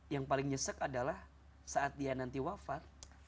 yang paling nyesek adalah saat dia nanti wafat